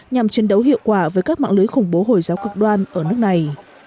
nhằm chiến đấu hiệu quả với các mạng lưới khủng bố hồi giáo cực đoan ở nước này